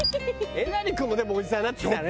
えなり君もでもおじさんになってきたね。